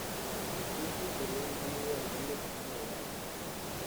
El curso inferior y medio del río son navegables.